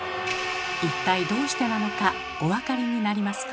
一体どうしてなのかお分かりになりますか？